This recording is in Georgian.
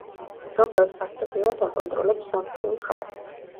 სოფელს ფაქტობრივად აკონტროლებს სომხური მხარე.